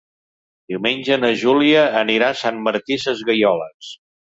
Diumenge na Júlia anirà a Sant Martí Sesgueioles.